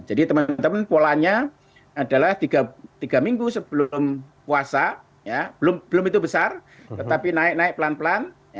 teman teman polanya adalah tiga minggu sebelum puasa belum itu besar tetapi naik naik pelan pelan